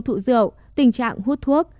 thụ rượu tình trạng hút thuốc